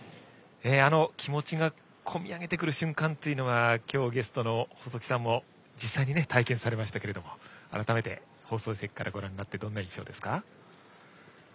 気持ちが込み上げてくる瞬間は今日、ゲストの細木さんも実際に体験されましたけれども改めて、放送席からご覧になってどんな印象ですか。